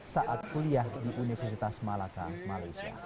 saat kuliah di universitas malaka malaysia